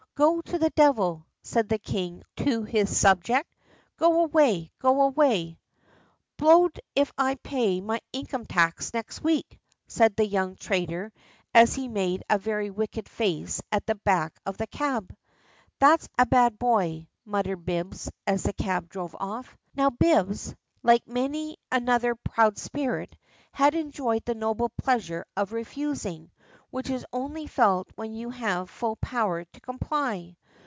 "Go to the devil," said the king to his subject. "Go away! go away!" "Blow'd if I pay my income tax next week!" said the young traitor as he made a very wicked face at the back of the cab. "That's a bad boy," muttered Bibbs, as the cab drove off. Now Bibbs, like many another proud spirit, had enjoyed the noble pleasure of refusing, which is only felt when you have full power to comply.